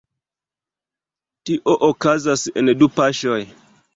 Tio okazas en du paŝoj.